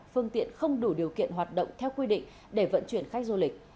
phương tiện không đủ điều kiện hoạt động theo quy định để vận chuyển khách du lịch